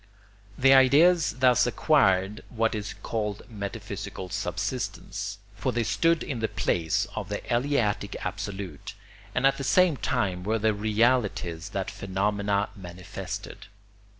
The ideas thus acquired what is called metaphysical subsistence; for they stood in the place of the Eleatic Absolute, and at the same time were the realities that phenomena manifested.